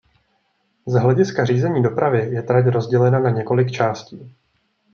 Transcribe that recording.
Z hlediska řízení dopravy je trať rozdělena na několik částí.